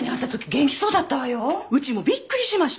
うちもびっくりしました。